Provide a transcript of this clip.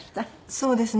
そうですね。